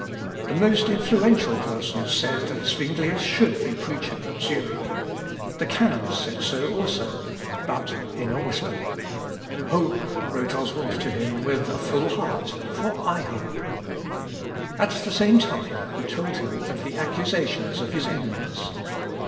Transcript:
The most influential persons said, that Zuinglius should be preacher at Zurich. The canons said so also, but in a whisper. "Hope," wrote Oswald to him with a full heart, "for I hope." At the same time he told him of the accusations of his enemies.